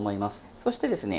そしてですね